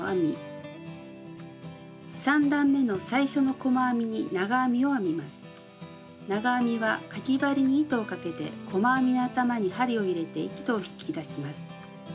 ３段めの最初の細編みに長編みはかぎ針に糸をかけて細編みの頭に針を入れて糸を引き出します。